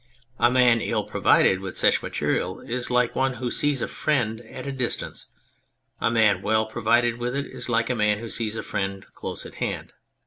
A man ill provided with such material is like one who sees a friend at a distance ; a man well provided with it is like a mair who sees a friend close at hand.